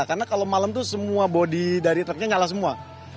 karena kalau malam tuh semua bodi dari truknya nyala semua